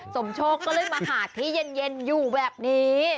สมโชคก็เลยมาหาที่เย็นอยู่แบบนี้